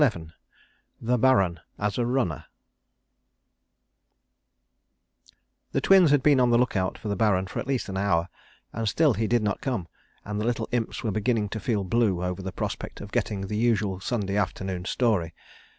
_] XI THE BARON AS A RUNNER The Twins had been on the lookout for the Baron for at least an hour, and still he did not come, and the little Imps were beginning to feel blue over the prospect of getting the usual Sunday afternoon story.